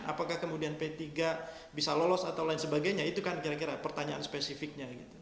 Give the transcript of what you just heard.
apakah kemudian p tiga bisa lolos atau lain sebagainya itu kan kira kira pertanyaan spesifiknya gitu